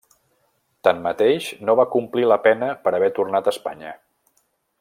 Tanmateix, no va complir la pena per haver tornat a Espanya.